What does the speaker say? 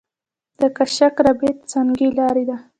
د کشک رباط سنګي لاره ده